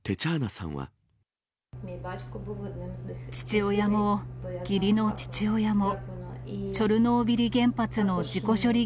父親も義理の父親も、チョルノービリ原発の事故処理